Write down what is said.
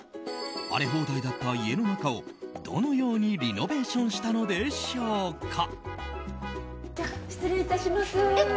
荒れ放題だった家の中をどのようにリノベーションしたのでしょうか。